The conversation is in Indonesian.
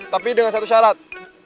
tapi dengan satu syarat